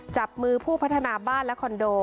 จับมือผู้พัฒนาบ้านและคอนโด